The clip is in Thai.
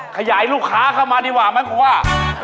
ขยายลูกค้าเข้ามาดีกว่าไหมคุณว่า